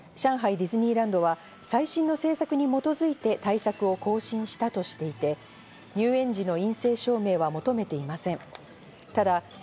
ディズニーランドは最新の政策に基づいて対策を更新したとしていて、入園時の陰性証明は求めていません。